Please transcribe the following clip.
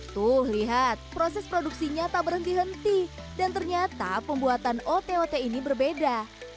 tuh lihat proses produksinya tak berhenti henti dan ternyata pembuatan ote ote ini berbeda